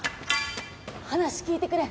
話聞いてくれ。